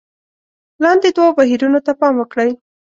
لاندې دوو بهیرونو ته پام وکړئ: